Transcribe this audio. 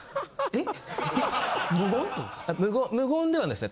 えっ！